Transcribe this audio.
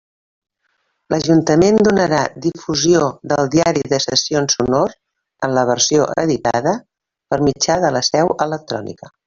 L'Ajuntament donarà difusió del diari de sessions sonor, en la versió editada, per mitjà de la seu electrònica.